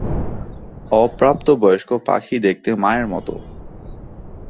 অপ্রাপ্তবয়স্ক পাখি দেখতে মায়ের মতো।